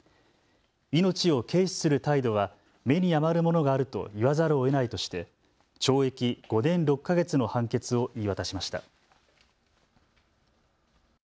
命を軽視する態度は目に余るものがあると言わざるをえないとして懲役５年６か月の判決を言い渡しました。